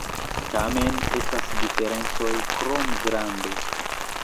Tamen estas diferencoj krom grando.